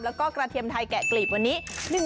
แล้วก็กระเทียมไทยแกะกลีบวันนี้